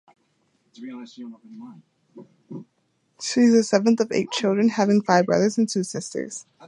She is the seventh of eight children, having five brothers and two sisters.